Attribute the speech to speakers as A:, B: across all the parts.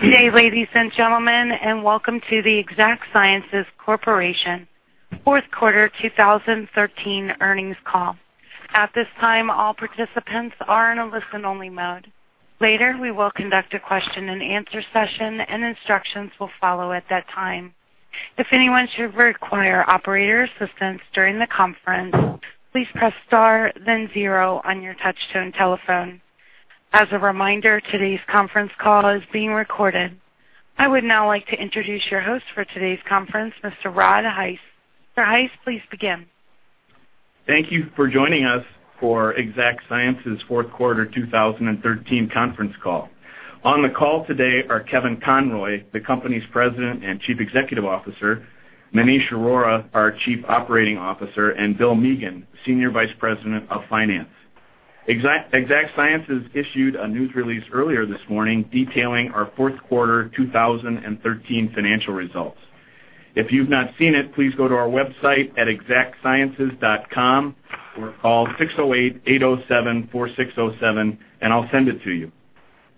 A: Good day, ladies and gentlemen, and welcome to the Exact Sciences Corporation fourth quarter 2013 earnings call. At this time, all participants are in a listen-only mode. Later, we will conduct a question-and-answer session, and instructions will follow at that time. If anyone should require operator assistance during the conference, please press star, then zero on your touch-tone telephone. As a reminder, today's conference call is being recorded. I would now like to introduce your host for today's conference, Mr. Rod Hise. Mr. Hise, please begin.
B: Thank you for joining us for Exact Sciences fourth quarter 2013 conference call. On the call today are Kevin Conroy, the company's President and Chief Executive Officer; Maneesh Arora, our Chief Operating Officer; and Bill Megan, Senior Vice President of Finance. Exact Sciences issued a news release earlier this morning detailing our fourth quarter 2013 financial results. If you've not seen it, please go to our website at exactsciences.com or call 608-807-4607, and I'll send it to you.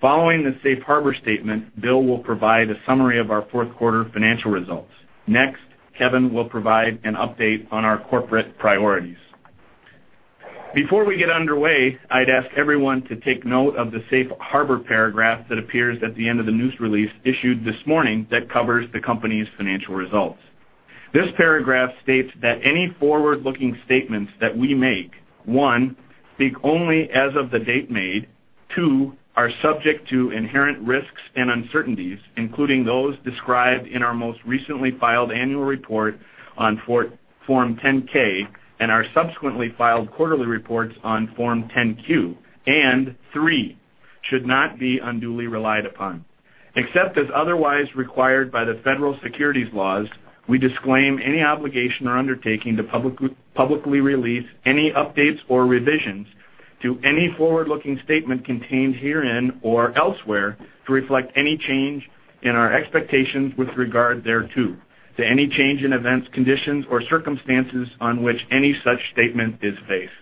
B: Following the safe harbor statement, Bill will provide a summary of our fourth quarter financial results. Next, Kevin will provide an update on our corporate priorities. Before we get underway, I'd ask everyone to take note of the safe harbor paragraph that appears at the end of the news release issued this morning that covers the company's financial results. This paragraph states that any forward-looking statements that we make, one, speak only as of the date made, two, are subject to inherent risks and uncertainties, including those described in our most recently filed annual report on form 10-K and our subsequently filed quarterly reports on form 10-Q, and three, should not be unduly relied upon. Except as otherwise required by the federal securities laws, we disclaim any obligation or undertaking to publicly release any updates or revisions to any forward-looking statement contained herein or elsewhere to reflect any change in our expectations with regard thereto, to any change in events, conditions, or circumstances on which any such statement is based.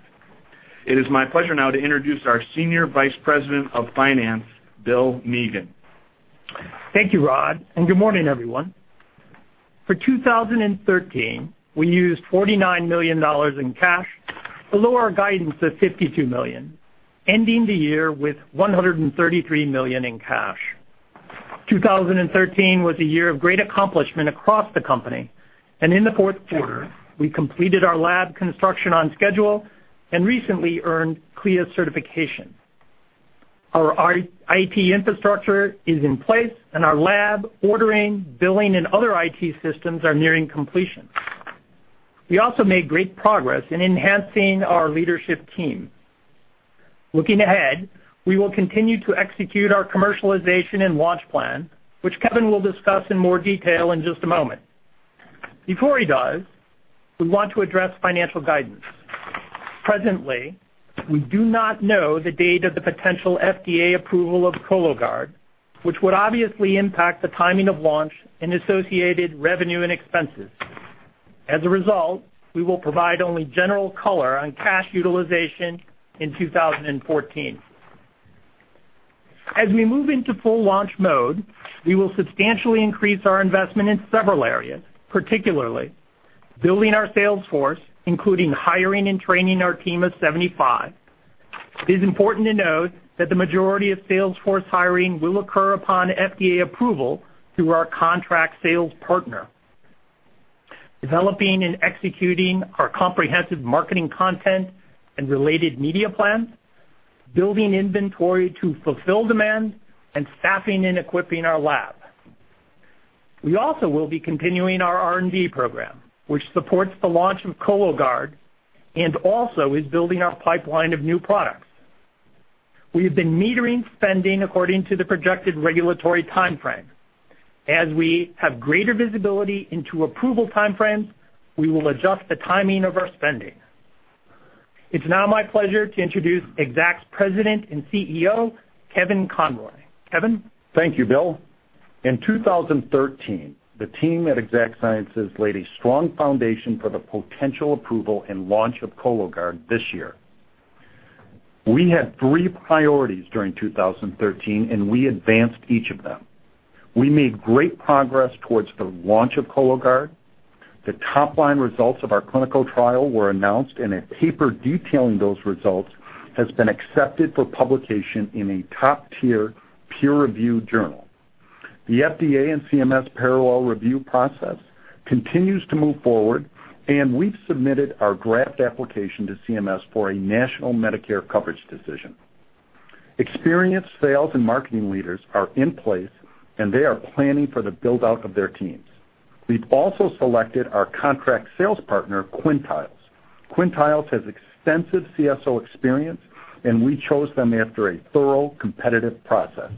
B: It is my pleasure now to introduce our Senior Vice President of Finance, Bill Megan.
C: Thank you, Rod, and good morning, everyone. For 2013, we used $49 million in cash, below our guidance of $52 million, ending the year with $133 million in cash. 2013 was a year of great accomplishment across the company, and in the fourth quarter, we completed our lab construction on schedule and recently earned CLIA certification. Our IT infrastructure is in place, and our lab, ordering, billing, and other IT systems are nearing completion. We also made great progress in enhancing our leadership team. Looking ahead, we will continue to execute our commercialization and launch plan, which Kevin will discuss in more detail in just a moment. Before he does, we want to address financial guidance. Presently, we do not know the date of the potential FDA approval of Cologuard, which would obviously impact the timing of launch and associated revenue and expenses. As a result, we will provide only general color on cash utilization in 2014. As we move into full launch mode, we will substantially increase our investment in several areas, particularly building our sales force, including hiring and training our team of 75. It is important to note that the majority of sales force hiring will occur upon FDA approval through our contract sales partner. Developing and executing our comprehensive marketing content and related media plans, building inventory to fulfill demand, and staffing and equipping our lab. We also will be continuing our R&D program, which supports the launch of Cologuard and also is building our pipeline of new products. We have been metering spending according to the projected regulatory timeframe. As we have greater visibility into approval timeframes, we will adjust the timing of our spending. It's now my pleasure to introduce Exact's president and CEO, Kevin Conroy. Kevin.
D: Thank you, Bill. In 2013, the team at Exact Sciences laid a strong foundation for the potential approval and launch of Cologuard this year. We had three priorities during 2013, and we advanced each of them. We made great progress towards the launch of Cologuard. The top-line results of our clinical trial were announced, and a paper detailing those results has been accepted for publication in a top-tier peer-reviewed journal. The FDA and CMS parallel review process continues to move forward, and we've submitted our draft application to CMS for a national Medicare coverage decision. Experienced sales and marketing leaders are in place, and they are planning for the build-out of their teams. We've also selected our contract sales partner, Quintiles. Quintiles has extensive CSO experience, and we chose them after a thorough, competitive process.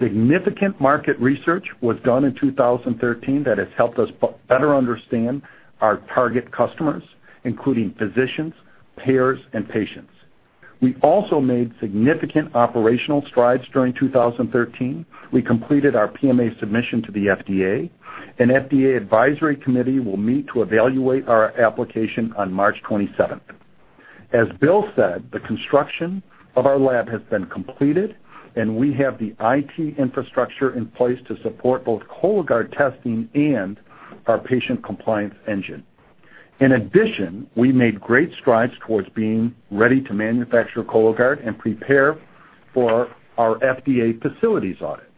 D: Significant market research was done in 2013 that has helped us better understand our target customers, including physicians, payers, and patients. We also made significant operational strides during 2013. We completed our PMA submission to the FDA, and the FDA advisory committee will meet to evaluate our application on March 27th. As Bill said, the construction of our lab has been completed, and we have the IT infrastructure in place to support both Cologuard testing and our patient compliance engine. In addition, we made great strides towards being ready to manufacture Cologuard and prepare for our FDA facilities audit.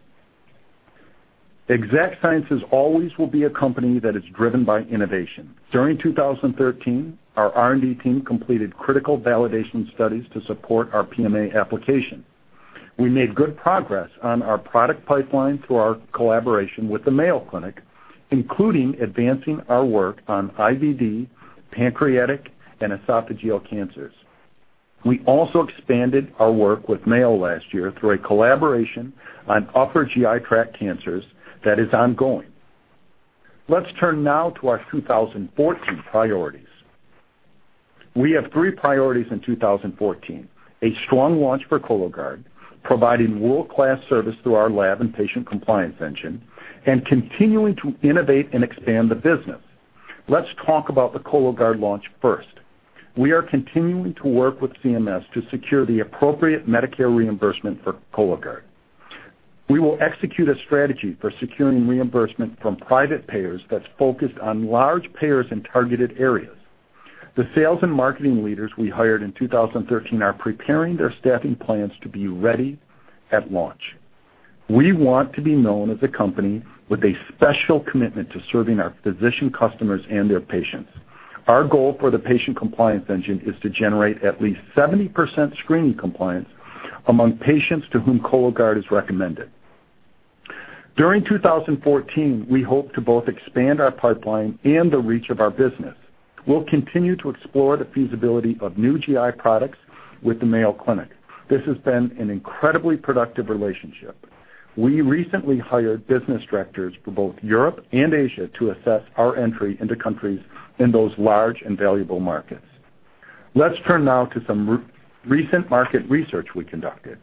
D: Exact Sciences always will be a company that is driven by innovation. During 2013, our R&D team completed critical validation studies to support our PMA application. We made good progress on our product pipeline through our collaboration with the Mayo Clinic, including advancing our work on IBD, pancreatic, and esophageal cancers. We also expanded our work with Mayo last year through a collaboration on upper GI tract cancers that is ongoing. Let's turn now to our 2014 priorities. We have three priorities in 2014: a strong launch for Cologuard, providing world-class service through our lab and patient compliance engine, and continuing to innovate and expand the business. Let's talk about the Cologuard launch first. We are continuing to work with CMS to secure the appropriate Medicare reimbursement for Cologuard. We will execute a strategy for securing reimbursement from private payers that's focused on large payers and targeted areas. The sales and marketing leaders we hired in 2013 are preparing their staffing plans to be ready at launch. We want to be known as a company with a special commitment to serving our physician customers and their patients. Our goal for the patient compliance engine is to generate at least 70% screening compliance among patients to whom Cologuard is recommended. During 2014, we hope to both expand our pipeline and the reach of our business. We'll continue to explore the feasibility of new GI products with the Mayo Clinic. This has been an incredibly productive relationship. We recently hired business directors for both Europe and Asia to assess our entry into countries in those large and valuable markets. Let's turn now to some recent market research we conducted.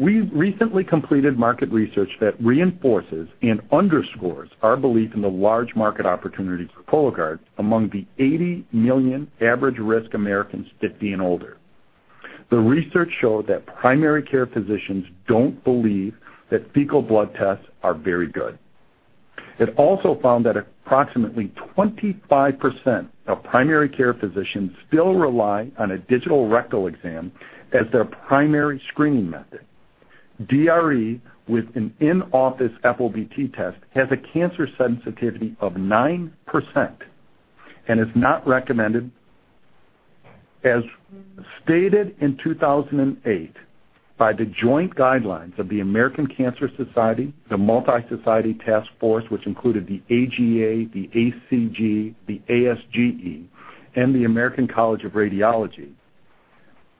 D: We recently completed market research that reinforces and underscores our belief in the large market opportunities for Cologuard among the 80 million average risk Americans 50 and older. The research showed that primary care physicians don't believe that fecal blood tests are very good. It also found that approximately 25% of primary care physicians still rely on a digital rectal exam as their primary screening method. DRE, with an in-office FOBT test, has a cancer sensitivity of 9% and is not recommended, as stated in 2008, by the joint guidelines of the American Cancer Society, the multi-society task force, which included the AGA, the ACG, the ASGE, and the American College of Radiology.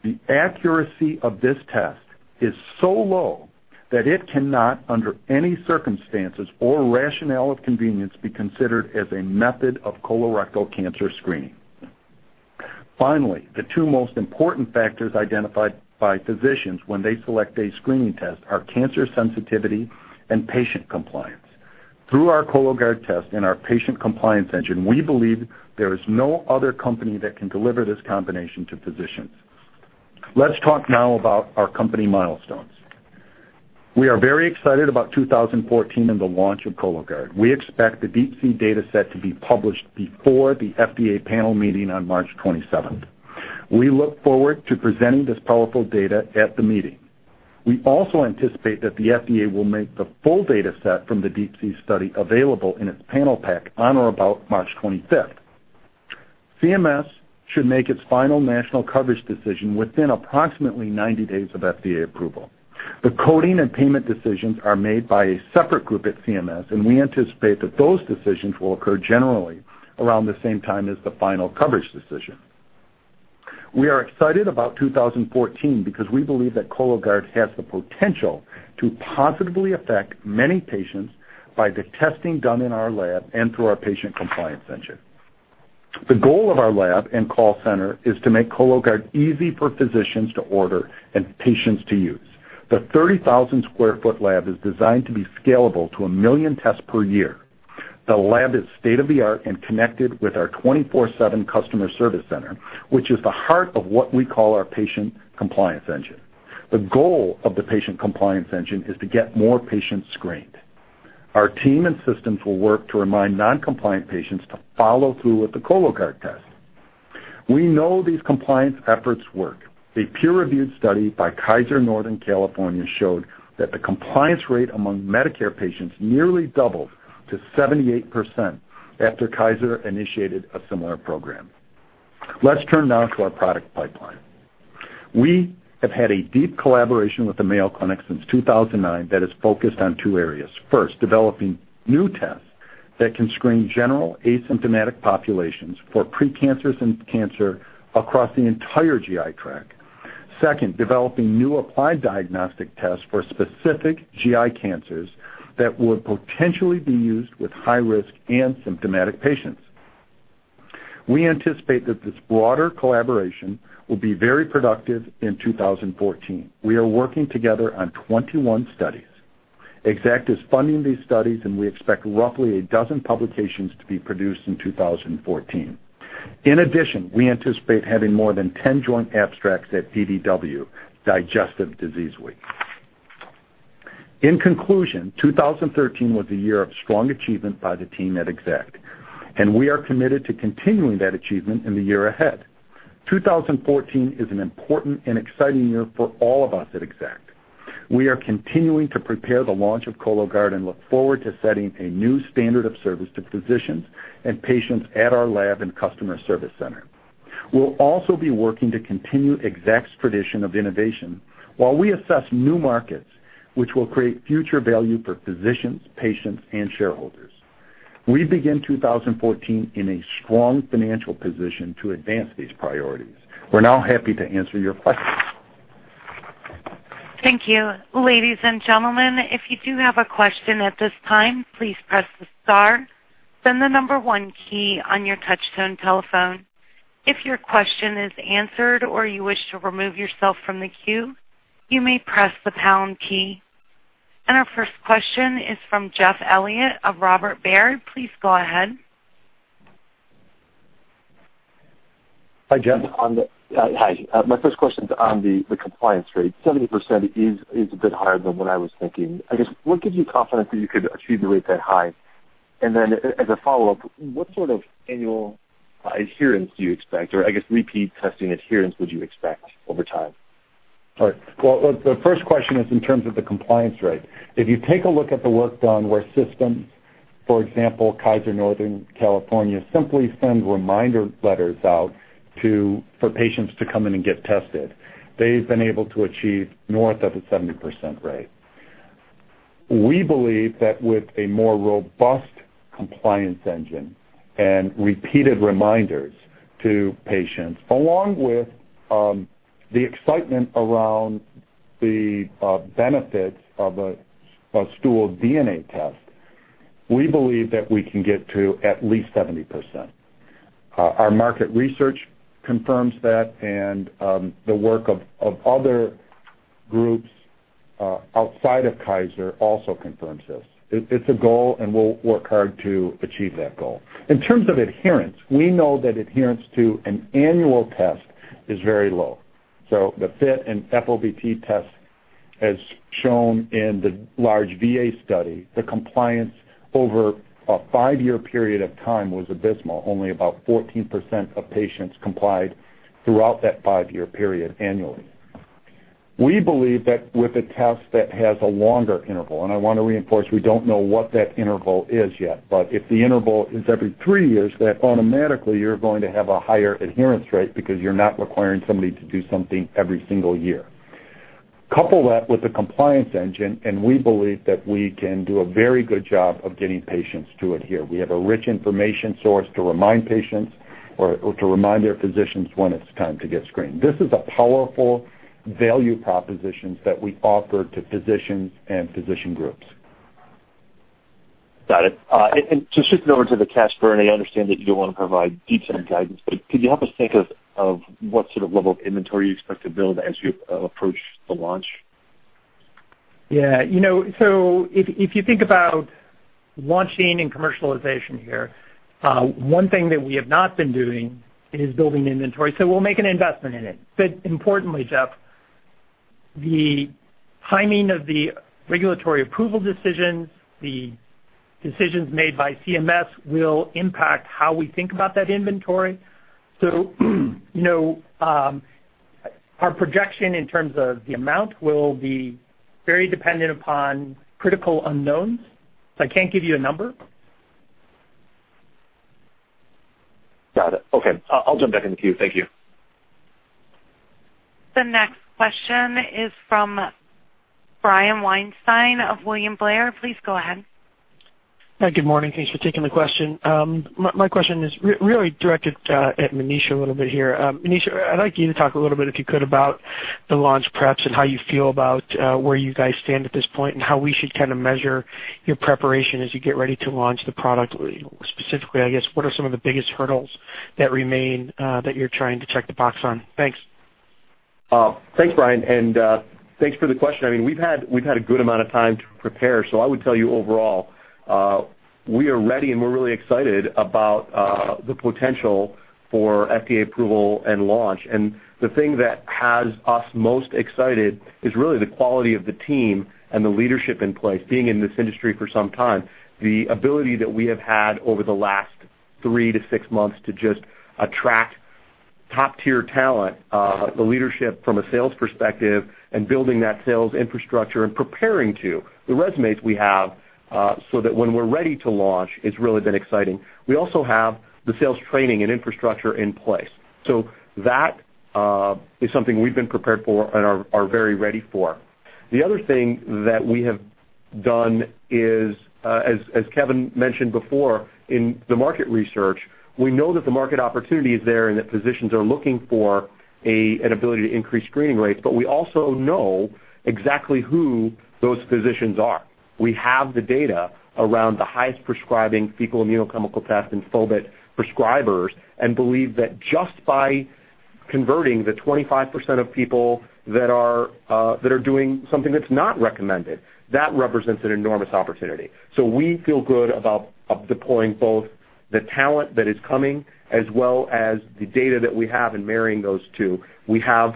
D: The accuracy of this test is so low that it cannot, under any circumstances or rationale of convenience, be considered as a method of colorectal cancer screening. Finally, the two most important factors identified by physicians when they select a screening test are cancer sensitivity and patient compliance. Through our Cologuard test and our patient compliance engine, we believe there is no other company that can deliver this combination to physicians. Let's talk now about our company milestones. We are very excited about 2014 and the launch of Cologuard. We expect the DeeP-C data set to be published before the FDA panel meeting on March 27th. We look forward to presenting this powerful data at the meeting. We also anticipate that the FDA will make the full data set from the DeeP-C study available in its panel pack on or about March 25th. CMS should make its final national coverage decision within approximately 90 days of FDA approval. The coding and payment decisions are made by a separate group at CMS, and we anticipate that those decisions will occur generally around the same time as the final coverage decision. We are excited about 2014 because we believe that Cologuard has the potential to positively affect many patients by the testing done in our lab and through our patient compliance engine. The goal of our lab and call center is to make Cologuard easy for physicians to order and patients to use. The 30,000 sq ft lab is designed to be scalable to a million tests per year. The lab is state-of-the-art and connected with our 24/7 customer service center, which is the heart of what we call our patient compliance engine. The goal of the patient compliance engine is to get more patients screened. Our team and systems will work to remind non-compliant patients to follow through with the Cologuard test. We know these compliance efforts work. A peer-reviewed study by Kaiser Northern California showed that the compliance rate among Medicare patients nearly doubled to 78% after Kaiser initiated a similar program. Let's turn now to our product pipeline. We have had a deep collaboration with the Mayo Clinic since 2009 that is focused on two areas. First, developing new tests that can screen general asymptomatic populations for precancerous cancer across the entire GI tract. Second, developing new applied diagnostic tests for specific GI cancers that would potentially be used with high-risk and symptomatic patients. We anticipate that this broader collaboration will be very productive in 2014. We are working together on 21 studies. Exact is funding these studies, and we expect roughly a dozen publications to be produced in 2014. In addition, we anticipate having more than 10 joint abstracts at DDW, Digestive Disease Week. In conclusion, 2013 was a year of strong achievement by the team at Exact, and we are committed to continuing that achievement in the year ahead. 2014 is an important and exciting year for all of us at Exact. We are continuing to prepare the launch of Cologuard and look forward to setting a new standard of service to physicians and patients at our lab and customer service center. We'll also be working to continue Exact's tradition of innovation while we assess new markets, which will create future value for physicians, patients, and shareholders. We begin 2014 in a strong financial position to advance these priorities. We're now happy to answer your questions.
A: Thank you. Ladies and gentlemen, if you do have a question at this time, please press the star, then the number one key on your touch-tone telephone. If your question is answered or you wish to remove yourself from the queue, you may press the pound key. Our first question is from Jeff Elliott of Robert Baird. Please go ahead.
D: Hi, Jeff.
E: Hi. My first question's on the compliance rate. 70% is a bit higher than what I was thinking. I guess, what gives you confidence that you could achieve the rate that high? As a follow-up, what sort of annual adherence do you expect, or I guess repeat testing adherence would you expect over time?
D: All right. The first question is in terms of the compliance rate. If you take a look at the work done where systems, for example, Kaiser Northern California, simply send reminder letters out for patients to come in and get tested, they've been able to achieve north of a 70% rate. We believe that with a more robust compliance engine and repeated reminders to patients, along with the excitement around the benefits of a stool DNA test, we believe that we can get to at least 70%. Our market research confirms that, and the work of other groups outside of Kaiser also confirms this. It's a goal, and we'll work hard to achieve that goal. In terms of adherence, we know that adherence to an annual test is very low. The FIT and FOBT test, as shown in the large VA study, the compliance over a five-year period of time was abysmal. Only about 14% of patients complied throughout that five-year period annually. We believe that with a test that has a longer interval, and I want to reinforce we don't know what that interval is yet, but if the interval is every three years, that automatically you're going to have a higher adherence rate because you're not requiring somebody to do something every single year. Couple that with the compliance engine, and we believe that we can do a very good job of getting patients to adhere. We have a rich information source to remind patients or to remind their physicians when it's time to get screened. This is a powerful value proposition that we offer to physicians and physician groups.
E: Got it. To shift over to the cash burn, I understand that you don't want to provide detailed guidance, but could you help us think of what sort of level of inventory you expect to build as you approach the launch?
C: Yeah. So if you think about launching and commercialization here, one thing that we have not been doing is building inventory. So we'll make an investment in it. But importantly, Jeff, the timing of the regulatory approval decisions, the decisions made by CMS will impact how we think about that inventory. So our projection in terms of the amount will be very dependent upon critical unknowns. So I can't give you a number.
E: Got it. Okay. I'll jump back into queue. Thank you.
A: The next question is from Brian Weinstein of William Blair. Please go ahead.
F: Hi. Good morning. Thanks for taking the question. My question is really directed at Maneesh a little bit here. Megan, I'd like you to talk a little bit, if you could, about the launch preps and how you feel about where you guys stand at this point and how we should kind of measure your preparation as you get ready to launch the product. Specifically, I guess, what are some of the biggest hurdles that remain that you're trying to check the box on? Thanks.
G: Thanks, Brian. Thanks for the question. I mean, we've had a good amount of time to prepare. I would tell you overall, we are ready, and we're really excited about the potential for FDA approval and launch. The thing that has us most excited is really the quality of the team and the leadership in place. Being in this industry for some time, the ability that we have had over the last three to six months to just attract top-tier talent, the leadership from a sales perspective, and building that sales infrastructure and preparing to the resumes we have so that when we're ready to launch is really been exciting. We also have the sales training and infrastructure in place. That is something we've been prepared for and are very ready for. The other thing that we have done is, as Kevin mentioned before in the market research, we know that the market opportunity is there and that physicians are looking for an ability to increase screening rates, but we also know exactly who those physicians are. We have the data around the highest prescribing fecal immunochemical test and FOBT prescribers and believe that just by converting the 25% of people that are doing something that's not recommended, that represents an enormous opportunity. We feel good about deploying both the talent that is coming as well as the data that we have and marrying those two. We have,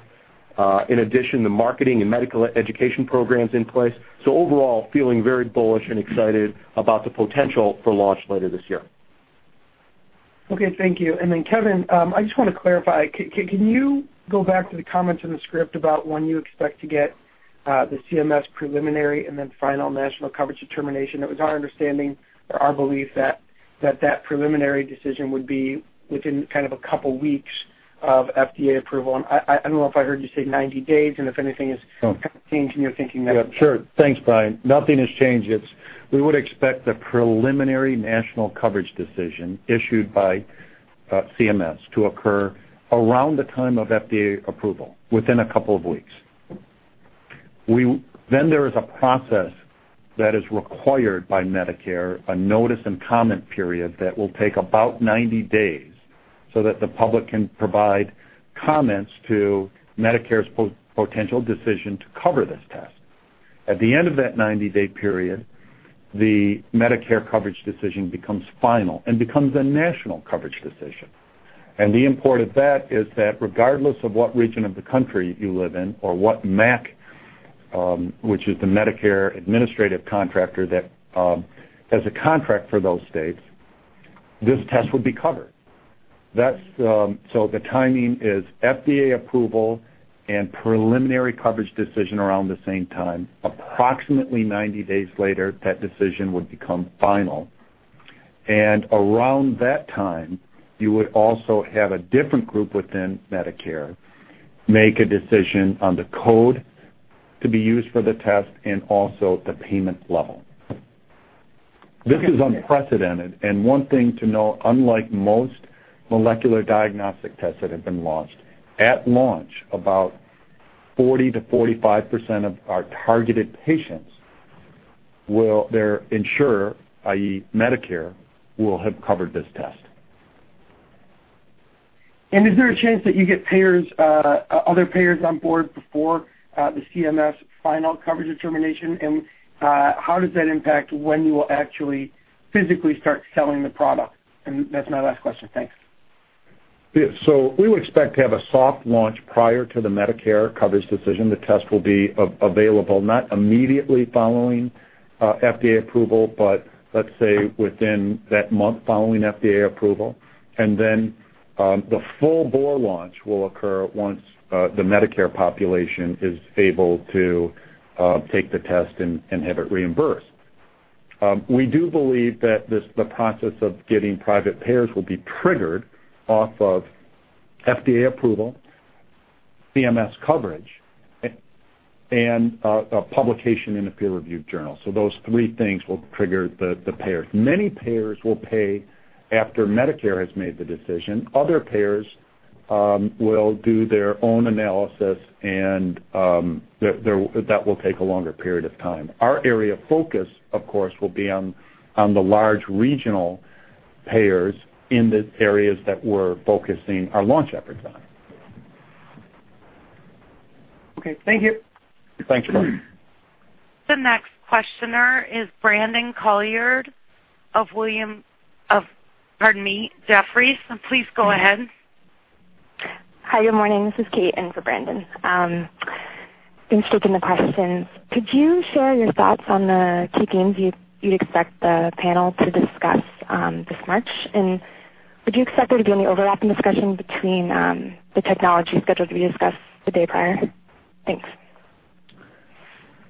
G: in addition, the marketing and medical education programs in place. Overall, feeling very bullish and excited about the potential for launch later this year.
F: Okay. Thank you. Kevin, I just want to clarify. Can you go back to the comments in the script about when you expect to get the CMS preliminary and then final national coverage determination? It was our understanding or our belief that that preliminary decision would be within kind of a couple of weeks of FDA approval. I do not know if I heard you say 90 days, and if anything has changed in your thinking there.
D: Yeah. Sure. Thanks, Brian. Nothing has changed. We would expect the preliminary national coverage decision issued by CMS to occur around the time of FDA approval within a couple of weeks. There is a process that is required by Medicare, a notice and comment period that will take about 90 days so that the public can provide comments to Medicare's potential decision to cover this test. At the end of that 90-day period, the Medicare coverage decision becomes final and becomes a national coverage decision. The import of that is that regardless of what region of the country you live in or what MAC, which is the Medicare Administrative Contractor that has a contract for those states, this test would be covered. The timing is FDA approval and preliminary coverage decision around the same time. Approximately 90 days later, that decision would become final. Around that time, you would also have a different group within Medicare make a decision on the code to be used for the test and also the payment level. This is unprecedented. One thing to know, unlike most molecular diagnostic tests that have been launched, at launch, about 40%-45% of our targeted patients, their insurer, i.e., Medicare, will have covered this test.
F: Is there a chance that you get other payers on board before the CMS final coverage determination? How does that impact when you will actually physically start selling the product? That's my last question. Thanks.
D: We would expect to have a soft launch prior to the Medicare coverage decision. The test will be available not immediately following FDA approval, but let's say within that month following FDA approval. The full bore launch will occur once the Medicare population is able to take the test and have it reimbursed. We do believe that the process of getting private payers will be triggered off of FDA approval, CMS coverage, and a publication in a peer-reviewed journal. Those three things will trigger the payers. Many payers will pay after Medicare has made the decision. Other payers will do their own analysis, and that will take a longer period of time. Our area of focus, of course, will be on the large regional payers in the areas that we're focusing our launch efforts on.
F: Okay. Thank you.
D: Thanks, Brian.
A: The next questioner is Brandon Couilliard of William, pardon me, Jefferies. Please go ahead.
H: Hi. Good morning. This is Kate in for Brandon. I've been skipping the questions. Could you share your thoughts on the key themes you'd expect the panel to discuss this March? Would you expect there to be any overlapping discussion between the technology scheduled to be discussed the day prior? Thanks.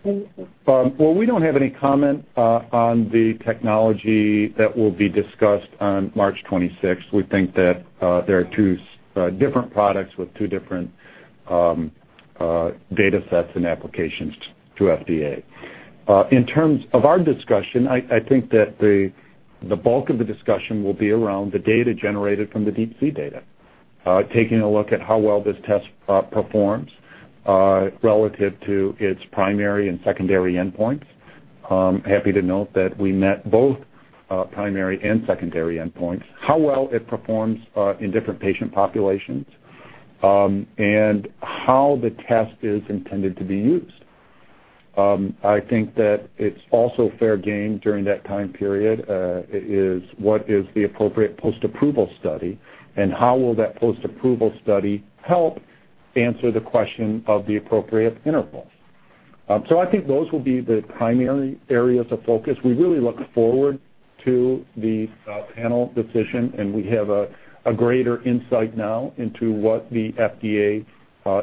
D: We do not have any comment on the technology that will be discussed on March 26th. We think that there are two different products with two different data sets and applications to FDA. In terms of our discussion, I think that the bulk of the discussion will be around the data generated from the DeeP-C study data, taking a look at how well this test performs relative to its primary and secondary endpoints. Happy to note that we met both primary and secondary endpoints, how well it performs in different patient populations, and how the test is intended to be used. I think that it is also fair game during that time period is what is the appropriate post-approval study, and how will that post-approval study help answer the question of the appropriate interval? I think those will be the primary areas of focus. We really look forward to the panel decision, and we have a greater insight now into what the FDA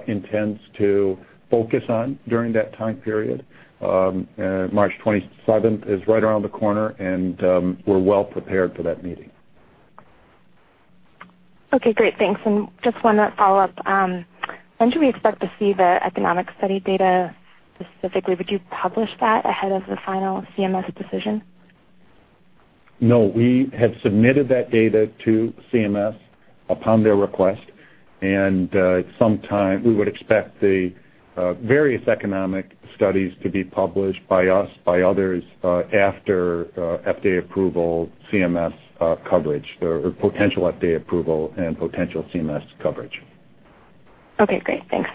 D: intends to focus on during that time period. March 27th is right around the corner, and we're well prepared for that meeting.
H: Okay. Great. Thanks. Just one follow-up. When do we expect to see the economic study data specifically? Would you publish that ahead of the final CMS decision?
D: No. We have submitted that data to CMS upon their request, and we would expect the various economic studies to be published by us, by others after FDA approval, CMS coverage, or potential FDA approval and potential CMS coverage.
H: Okay. Great. Thanks.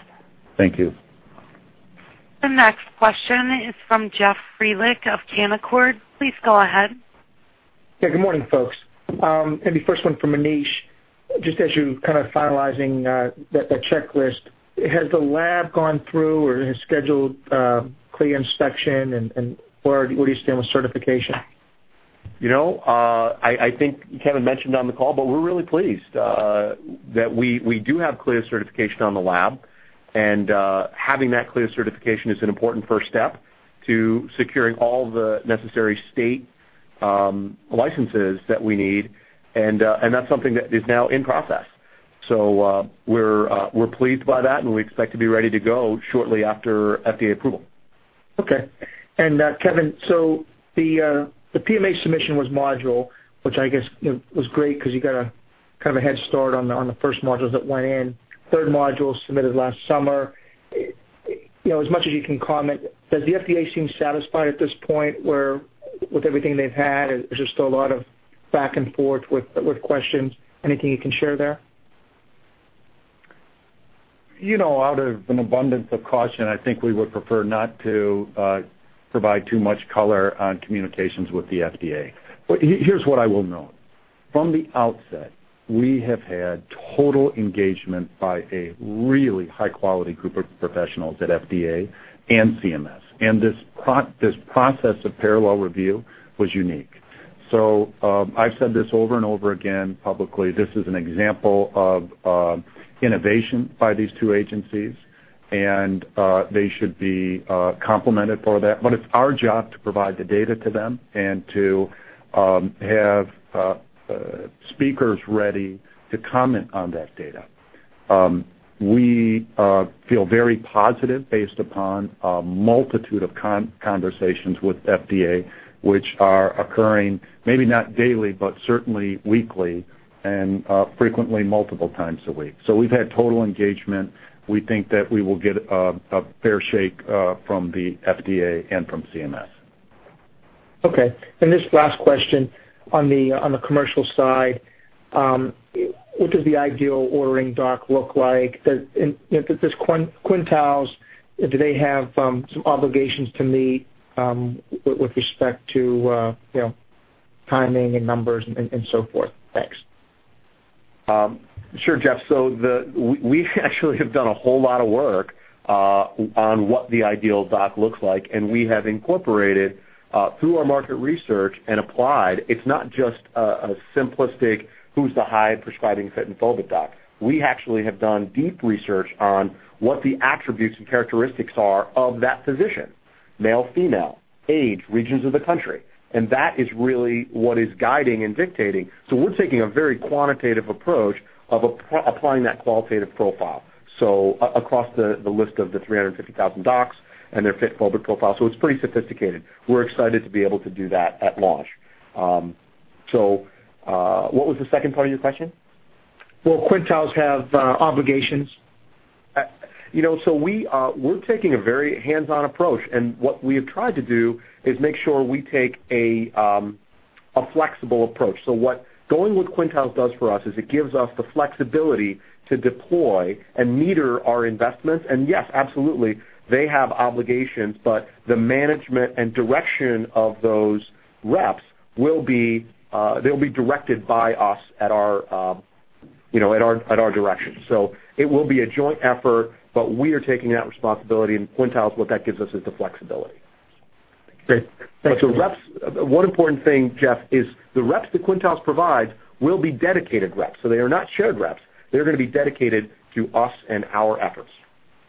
D: Thank you.
A: The next question is from Jeff Frelick of Canaccord. Please go ahead.
I: Yeah. Good morning, folks. The first one from Megan, just as you're kind of finalizing that checklist, has the lab gone through or has scheduled CLIA inspection, and where do you stand with certification?
G: I think Kevin mentioned on the call, but we're really pleased that we do have CLIA certification on the lab. Having that CLIA certification is an important first step to securing all the necessary state licenses that we need. That is something that is now in process. We are pleased by that, and we expect to be ready to go shortly after FDA approval.
I: Okay. Kevin, the PMA submission was module, which I guess was great because you got kind of a head start on the first modules that went in. Third module submitted last summer. As much as you can comment, does the FDA seem satisfied at this point with everything they've had? Is there still a lot of back and forth with questions? Anything you can share there?
D: Out of an abundance of caution, I think we would prefer not to provide too much color on communications with the FDA. But here's what I will note. From the outset, we have had total engagement by a really high-quality group of professionals at FDA and CMS. And this process of parallel review was unique. So I've said this over and over again publicly. This is an example of innovation by these two agencies, and they should be complimented for that. But it's our job to provide the data to them and to have speakers ready to comment on that data. We feel very positive based upon a multitude of conversations with FDA, which are occurring maybe not daily, but certainly weekly and frequently multiple times a week. So we've had total engagement. We think that we will get a fair shake from the FDA and from CMS.
I: Okay. And this last question on the commercial side, what does the ideal ordering doc look like? Does Quintiles, do they have some obligations to meet with respect to timing and numbers and so forth? Thanks.
G: Sure, Jeff. So we actually have done a whole lot of work on what the ideal doc looks like, and we have incorporated through our market research and applied. It's not just a simplistic, "Who's the high prescribing FIT and FOBT doc?" We actually have done deep research on what the attributes and characteristics are of that physician: male, female, age, regions of the country. That is really what is guiding and dictating. We're taking a very quantitative approach of applying that qualitative profile across the list of the 350,000 docs and their FIT and FOBT profile. It's pretty sophisticated. We're excited to be able to do that at launch. What was the second part of your question?
I: Quintiles have obligations.
G: We're taking a very hands-on approach. What we have tried to do is make sure we take a flexible approach. What going with Quintiles does for us is it gives us the flexibility to deploy and meter our investments. Yes, absolutely, they have obligations, but the management and direction of those reps will be directed by us at our direction. It will be a joint effort, but we are taking that responsibility. Quintiles, what that gives us is the flexibility.
I: Great. Thanks,
G: Jeff. One important thing, Jeff, is the reps that Quintiles provides will be dedicated reps. They are not shared reps. They're going to be dedicated to us and our efforts.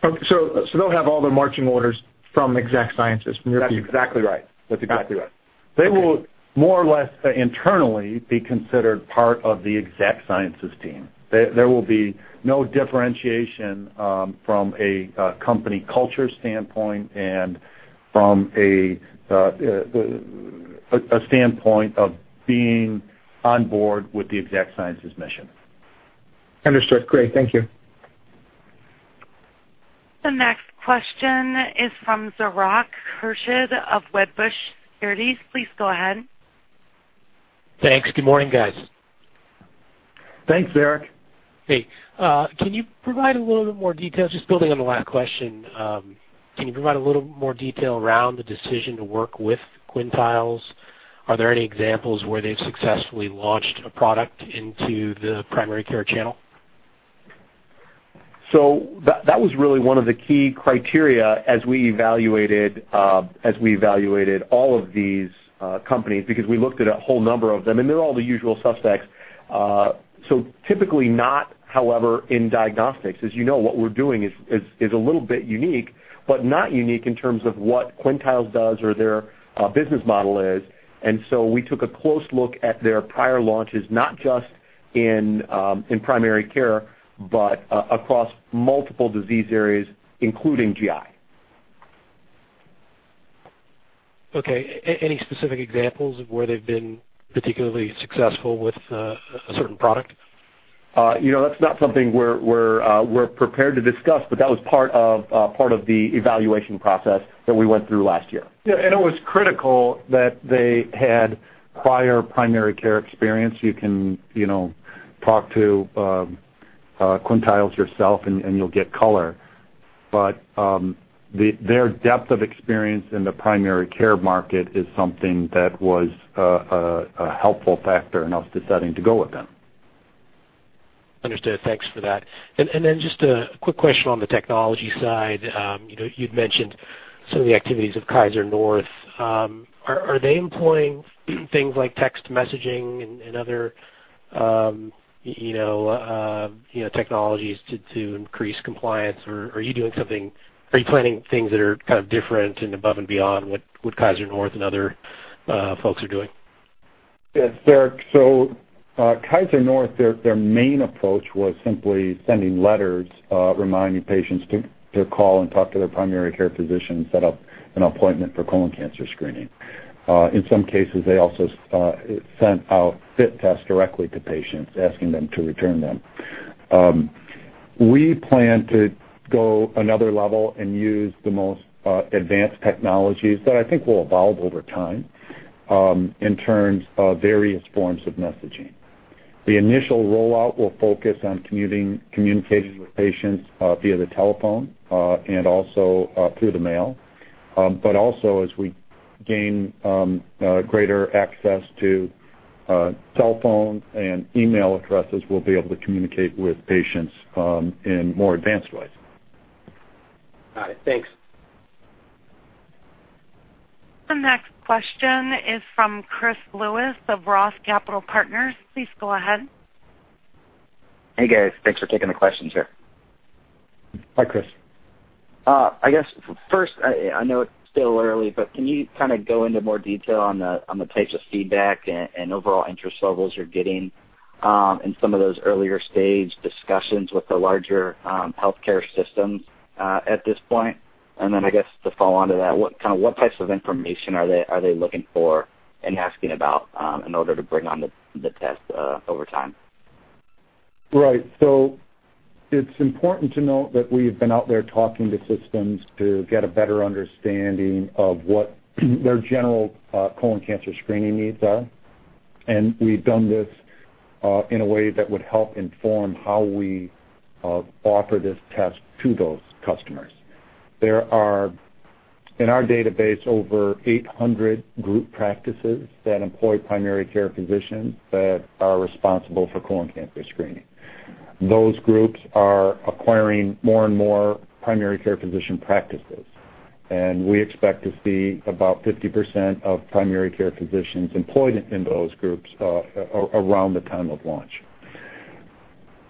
I: They'll have all the marching orders from Exact Sciences, from your people?
G: That's exactly right.
D: They will more or less internally be considered part of the Exact Sciences team. There will be no differentiation from a company culture standpoint and from a standpoint of being on board with the Exact Sciences mission.
I: Understood. Great. Thank you.
A: The next question is from Zarak Khurshid of Wedbush Securities. Please go ahead.
J: Thanks. Good morning, guys.
K: Thanks, Zarak.
J: Hey. Can you provide a little bit more detail? Just building on the last question, can you provide a little more detail around the decision to work with Quintiles? Are there any examples where they've successfully launched a product into the primary care channel?
G: That was really one of the key criteria as we evaluated all of these companies because we looked at a whole number of them, and they're all the usual suspects. Typically not, however, in diagnostics. As you know, what we're doing is a little bit unique, but not unique in terms of what Quintiles does or their business model is. We took a close look at their prior launches, not just in primary care, but across multiple disease areas, including GI.
J: Okay. Any specific examples of where they've been particularly successful with a certain product?
G: That's not something we're prepared to discuss, but that was part of the evaluation process that we went through last year.
D: Yeah. It was critical that they had prior primary care experience. You can talk to Quintiles yourself, and you'll get color. Their depth of experience in the primary care market is something that was a helpful factor in us deciding to go with them.
J: Understood. Thanks for that. Just a quick question on the technology side. You'd mentioned some of the activities of Kaiser North. Are they employing things like text messaging and other technologies to increase compliance? Are you doing something? Are you planning things that are kind of different and above and beyond what Kaiser North and other folks are doing?
D: Yeah. So Kaiser North, their main approach was simply sending letters reminding patients to call and talk to their primary care physician and set up an appointment for colon cancer screening. In some cases, they also sent out FIT tests directly to patients, asking them to return them. We plan to go another level and use the most advanced technologies that I think will evolve over time in terms of various forms of messaging. The initial rollout will focus on communicating with patients via the telephone and also through the mail. Also, as we gain greater access to cell phone and email addresses, we'll be able to communicate with patients in more advanced ways.
J: Got it. Thanks.
A: The next question is from Chris Lewis of Roth Capital Partners. Please go ahead.
L: Hey, guys. Thanks for taking the questions here.
D: Hi, Chris.
L: I guess first, I know it's still early, but can you kind of go into more detail on the types of feedback and overall interest levels you're getting in some of those earlier stage discussions with the larger healthcare systems at this point? I guess to follow on to that, kind of what types of information are they looking for and asking about in order to bring on the test over time?
D: Right. It is important to note that we have been out there talking to systems to get a better understanding of what their general colon cancer screening needs are. We have done this in a way that would help inform how we offer this test to those customers. In our database, over 800 group practices employ primary care physicians that are responsible for colon cancer screening. Those groups are acquiring more and more primary care physician practices. We expect to see about 50% of primary care physicians employed in those groups around the time of launch.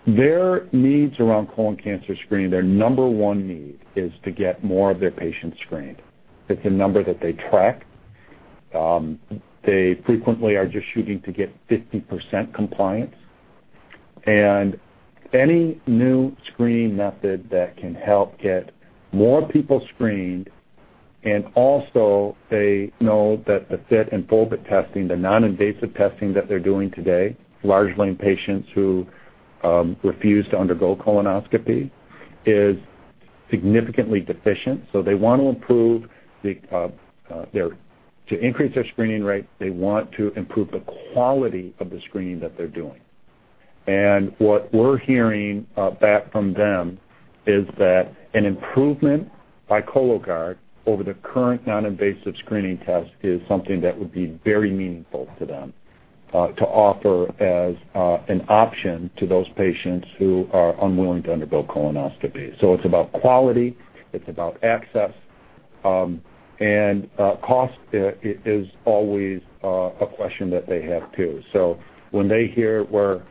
D: Their needs around colon cancer screening, their number one need is to get more of their patients screened. It is a number that they track. They frequently are just shooting to get 50% compliance. Any new screening method that can help get more people screened. They know that the FIT and FOBT testing, the non-invasive testing that they're doing today, largely in patients who refuse to undergo colonoscopy, is significantly deficient. They want to improve their to increase their screening rate. They want to improve the quality of the screening that they're doing. What we're hearing back from them is that an improvement by Cologuard over the current non-invasive screening test is something that would be very meaningful to them to offer as an option to those patients who are unwilling to undergo colonoscopy. It's about quality. It's about access. Cost is always a question that they have too. When they hear where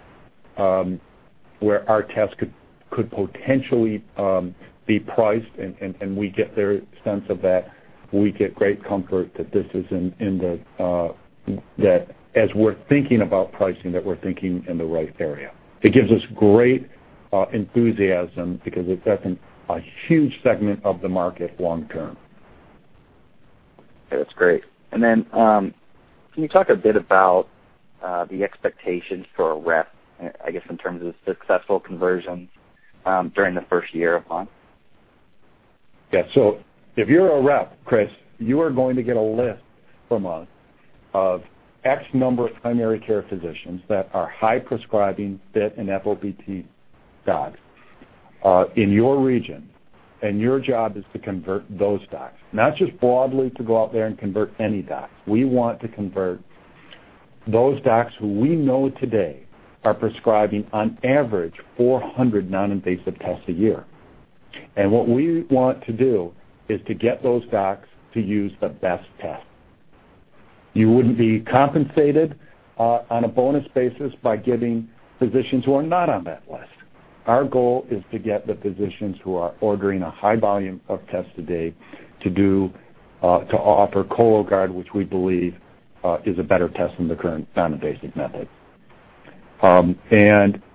D: our test could potentially be priced and we get their sense of that, we get great comfort that as we're thinking about pricing, we're thinking in the right area. It gives us great enthusiasm because it's a huge segment of the market long term.
L: That's great. Can you talk a bit about the expectations for a rep, I guess, in terms of successful conversions during the first year or month?
D: Yeah. If you're a rep, Chris, you are going to get a list from us of X number of primary care physicians that are high prescribing FIT and FOBT docs in your region. Your job is to convert those docs, not just broadly to go out there and convert any docs. We want to convert those docs who we know today are prescribing on average 400 non-invasive tests a year. What we want to do is to get those docs to use the best test. You wouldn't be compensated on a bonus basis by giving physicians who are not on that list. Our goal is to get the physicians who are ordering a high volume of tests a day to offer Cologuard, which we believe is a better test than the current non-invasive method.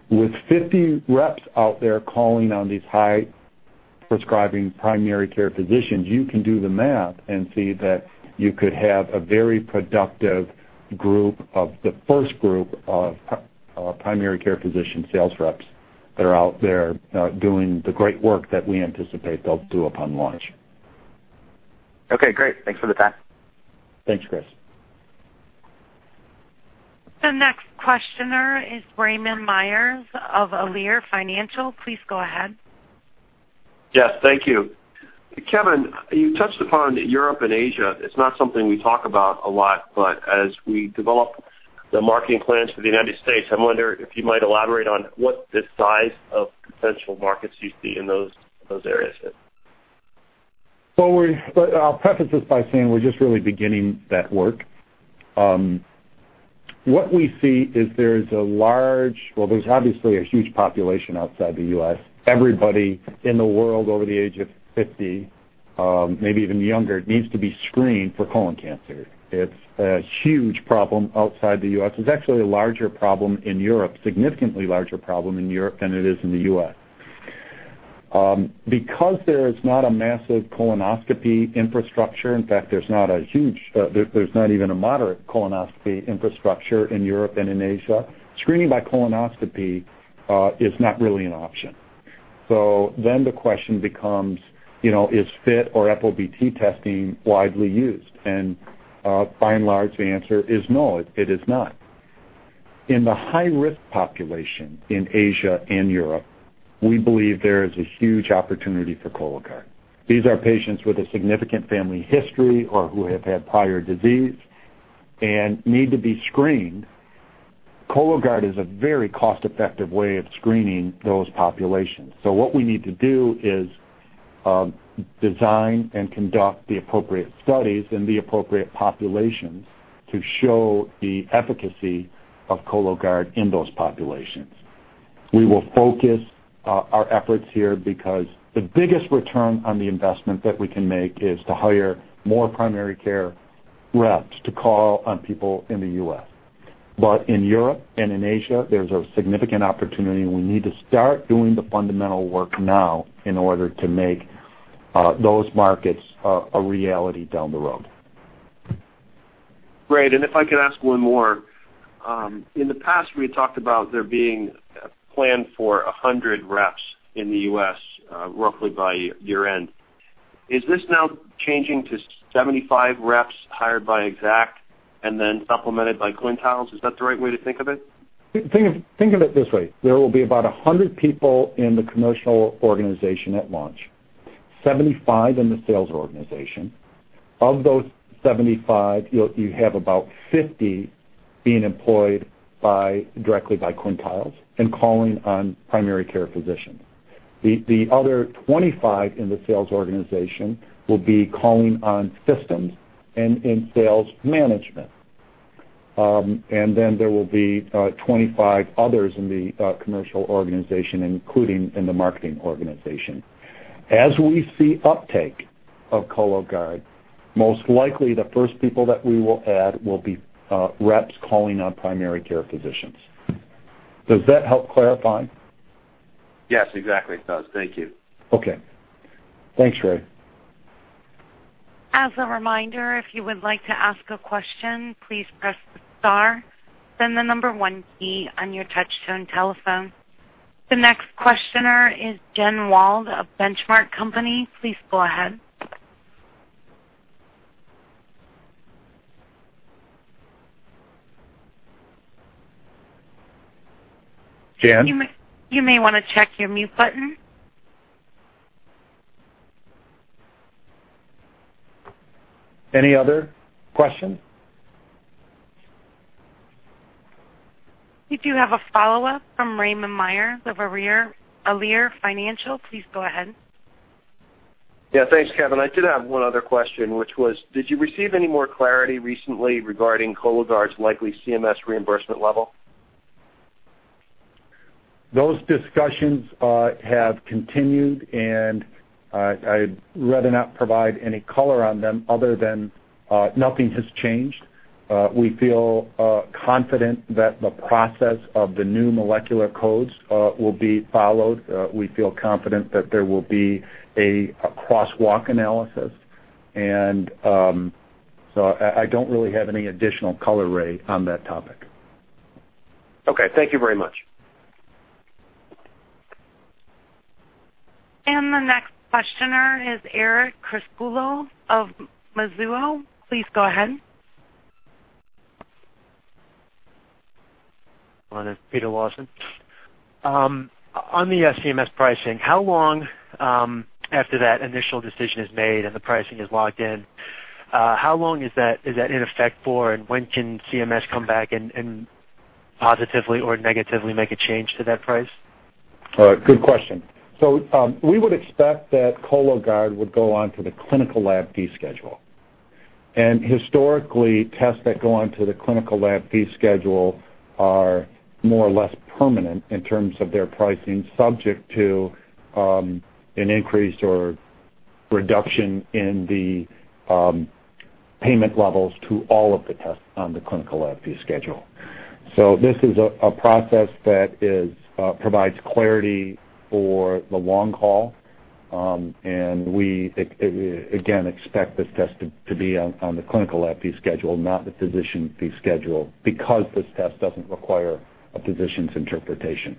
D: With 50 reps out there calling on these high prescribing primary care physicians, you can do the math and see that you could have a very productive group of the first group of primary care physician sales reps that are out there doing the great work that we anticipate they'll do upon launch.
L: Okay. Great. Thanks for the time.
D: Thanks, Chris.
A: The next questioner is Raymond Myers of Alere Financial. Please go ahead.
M: Yes. Thank you. Kevin, you touched upon Europe and Asia. It's not something we talk about a lot, but as we develop the marketing plans for the United States, I wonder if you might elaborate on what the size of potential markets you see in those areas is.
D: Our preference is by saying we're just really beginning that work. What we see is there is a large, well, there's obviously a huge population outside the U.S. Everybody in the world over the age of 50, maybe even younger, needs to be screened for colon cancer. It's a huge problem outside the U.S. It's actually a larger problem in Europe, significantly larger problem in Europe than it is in the U.S. because there is not a massive colonoscopy infrastructure. In fact, there's not a huge, there's not even a moderate colonoscopy infrastructure in Europe and in Asia. Screening by colonoscopy is not really an option. The question becomes, is FIT or FOBT testing widely used? By and large, the answer is no, it is not. In the high-risk population in Asia and Europe, we believe there is a huge opportunity for Cologuard. These are patients with a significant family history or who have had prior disease and need to be screened. Cologuard is a very cost-effective way of screening those populations. What we need to do is design and conduct the appropriate studies in the appropriate populations to show the efficacy of Cologuard in those populations. We will focus our efforts here because the biggest return on the investment that we can make is to hire more primary care reps to call on people in the U.S. In Europe and in Asia, there's a significant opportunity. We need to start doing the fundamental work now in order to make those markets a reality down the road.
M: Great. If I can ask one more, in the past, we had talked about there being a plan for 100 reps in the U.S. roughly by year-end. Is this now changing to 75 reps hired by Exact and then supplemented by Quintiles? Is that the right way to think of it?
D: Think of it this way. There will be about 100 people in the commercial organization at launch, 75 in the sales organization. Of those 75, you have about 50 being employed directly by Quintiles and calling on primary care physicians. The other 25 in the sales organization will be calling on systems and in sales management. There will be 25 others in the commercial organization, including in the marketing organization. As we see uptake of Cologuard, most likely the first people that we will add will be reps calling on primary care physicians. Does that help clarify?
M: Yes, exactly. It does. Thank you.
D: Okay. Thanks, Ray.
A: As a reminder, if you would like to ask a question, please press the star, then the number one key on your touch-tone telephone. The next questioner is Jan Wald of Benchmark Company. Please go ahead.
D: Jan?
A: You may want to check your mute button.
D: Any other questions?
A: We do have a follow-up from Raymond Myers of Alere Financial. Please go ahead.
M: Yeah. Thanks, Kevin. I did have one other question, which was, did you receive any more clarity recently regarding Cologuard's likely CMS reimbursement level?
D: Those discussions have continued, and I'd rather not provide any color on them other than nothing has changed. We feel confident that the process of the new molecular codes will be followed. We feel confident that there will be a crosswalk analysis. I don't really have any additional color ray on that topic.
M: Okay. Thank you very much.
A: The next questioner is Eric Criscuolo of Mizuho. Please go ahead.
N: I'm on it. Peter Lawson. On the CMS pricing, how long after that initial decision is made and the pricing is locked in, how long is that in effect for? When can CMS come back and positively or negatively make a change to that price?
D: Good question. We would expect that Cologuard would go on to the clinical lab fee schedule. Historically, tests that go on to the clinical lab fee schedule are more or less permanent in terms of their pricing, subject to an increase or reduction in the payment levels to all of the tests on the clinical lab fee schedule. This is a process that provides clarity for the long haul. We, again, expect this test to be on the clinical lab fee schedule, not the physician fee schedule, because this test doesn't require a physician's interpretation.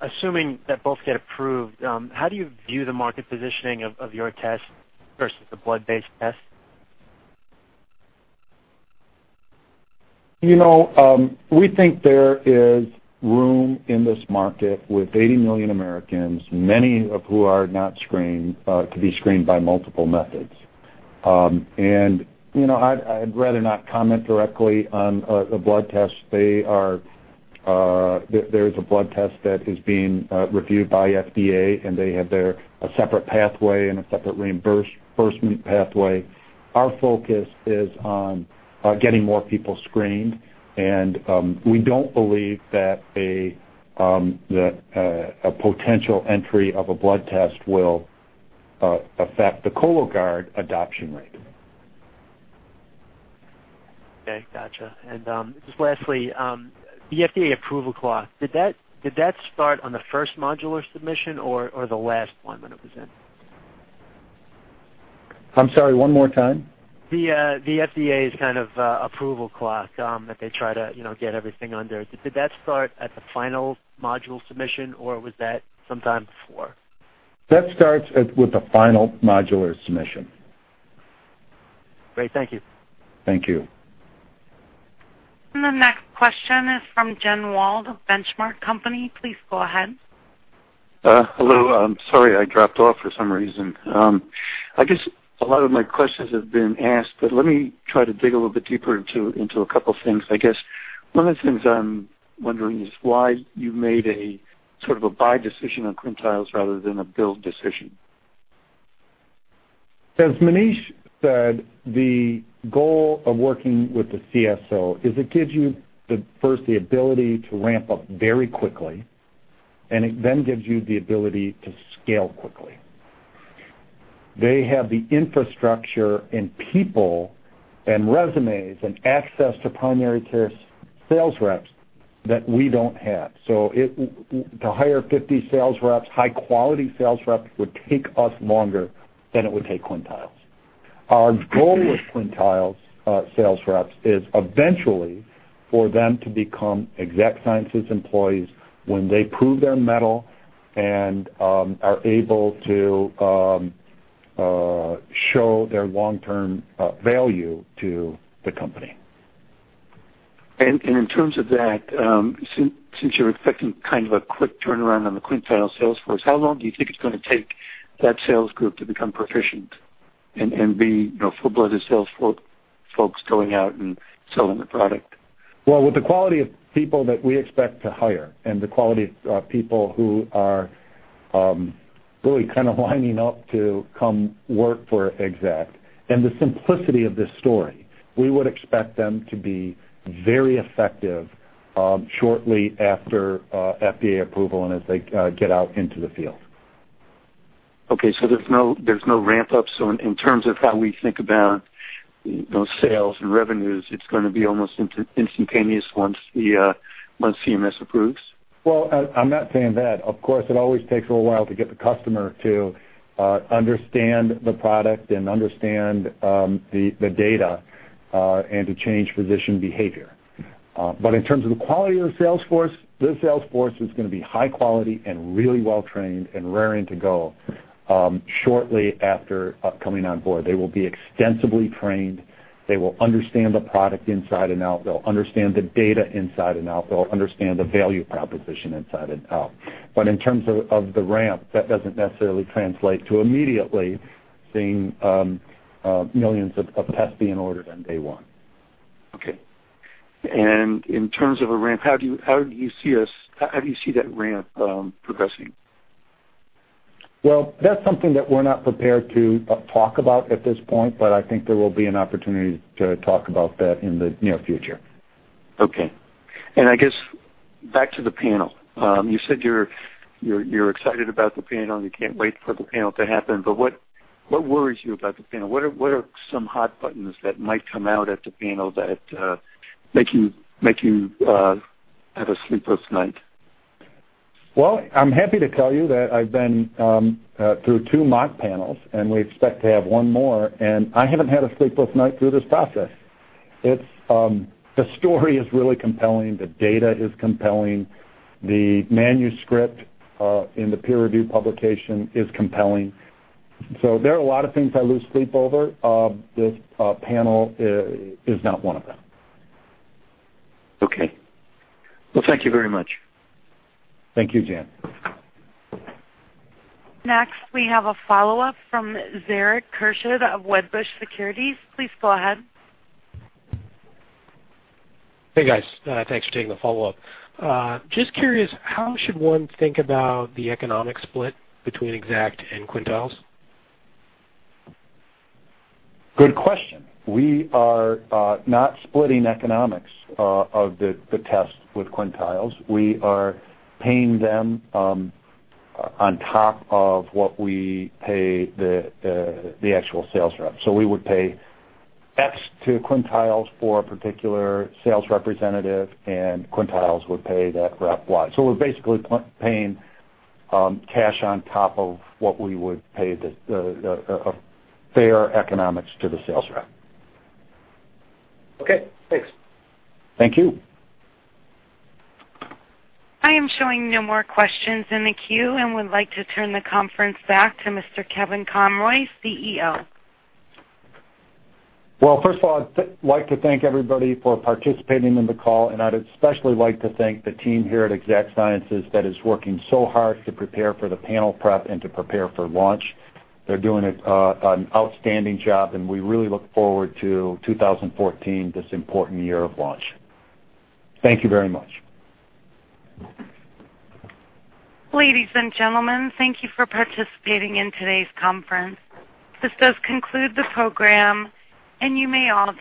N: Assuming that both get approved, how do you view the market positioning of your tests versus the blood-based tests?
D: We think there is room in this market with 80 million Americans, many of whom are not screened, to be screened by multiple methods. I'd rather not comment directly on a blood test. There is a blood test that is being reviewed by FDA, and they have their separate pathway and a separate reimbursement pathway. Our focus is on getting more people screened. We don't believe that a potential entry of a blood test will affect the Cologuard adoption rate.
N: Okay. Gotcha. And just lastly, the FDA approval clock, did that start on the first modular submission or the last one when it was in?
D: I'm sorry, one more time.
N: The FDA's kind of approval clock that they try to get everything under, did that start at the final module submission, or was that sometime before?
D: That starts with the final modular submission.
N: Great. Thank you.
D: Thank you.
C: The next question is from Jan Wald of Benchmark Company. Please go ahead.
O: Hello. I'm sorry I dropped off for some reason. I guess a lot of my questions have been asked, but let me try to dig a little bit deeper into a couple of things. I guess one of the things I'm wondering is why you made a sort of a buy decision on Quintiles rather than a build decision.
D: As Maneesh said, the goal of working with the CSO is it gives you, first, the ability to ramp up very quickly, and it then gives you the ability to scale quickly. They have the infrastructure and people and resumes and access to primary care sales reps that we don't have. To hire 50 sales reps, high-quality sales reps would take us longer than it would take Quintiles. Our goal with Quintiles sales reps is eventually for them to become Exact Sciences employees when they prove their mettle and are able to show their long-term value to the company.
O: In terms of that, since you're expecting kind of a quick turnaround on the Quintiles sales force, how long do you think it's going to take that sales group to become proficient and be full-blown sales folks going out and selling the product?
D: With the quality of people that we expect to hire and the quality of people who are really kind of lining up to come work for Exact and the simplicity of this story, we would expect them to be very effective shortly after FDA approval and as they get out into the field.
O: Okay. So there's no ramp-up. So in terms of how we think about sales and revenues, it's going to be almost instantaneous once CMS approves?
D: I'm not saying that. Of course, it always takes a little while to get the customer to understand the product and understand the data and to change physician behavior. In terms of the quality of the sales force, the sales force is going to be high quality and really well trained and raring to go shortly after coming on board. They will be extensively trained. They will understand the product inside and out. They'll understand the data inside and out. They'll understand the value proposition inside and out. In terms of the ramp, that doesn't necessarily translate to immediately seeing millions of tests being ordered on day one.
O: Okay. In terms of a ramp, how do you see us, how do you see that ramp progressing?
D: That is something that we're not prepared to talk about at this point, but I think there will be an opportunity to talk about that in the near future.
O: Okay. I guess back to the panel. You said you're excited about the panel. You can't wait for the panel to happen. What worries you about the panel? What are some hot buttons that might come out at the panel that make you have a sleepless night?
D: I'm happy to tell you that I've been through two mock panels, and we expect to have one more. I haven't had a sleepless night through this process. The story is really compelling. The data is compelling. The manuscript in the peer-reviewed publication is compelling. There are a lot of things I lose sleep over. This panel is not one of them.
O: Okay. Thank you very much.
D: Thank you, Jan.
A: Next, we have a follow-up from Zarak Khurshid of Wedbush Securities. Please go ahead.
J: Hey, guys. Thanks for taking the follow-up. Just curious, how should one think about the economic split between Exact and Quintiles?
D: Good question. We are not splitting economics of the tests with Quintiles. We are paying them on top of what we pay the actual sales rep. So we would pay X to Quintiles for a particular sales representative, and Quintiles would pay that rep Y. So we're basically paying cash on top of what we would pay the fair economics to the sales rep.
J: Okay. Thanks.
D: Thank you.
A: I am showing no more questions in the queue and would like to turn the conference back to Mr. Kevin Conroy, CEO.
D: First of all, I'd like to thank everybody for participating in the call. I'd especially like to thank the team here at Exact Sciences that is working so hard to prepare for the panel prep and to prepare for launch. They're doing an outstanding job, and we really look forward to 2014, this important year of launch. Thank you very much.
A: Ladies and gentlemen, thank you for participating in today's conference. This does conclude the program, and you may all.